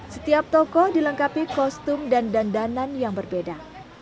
setiap tokoh dilengkapi kostum dan dandanan yang berbeda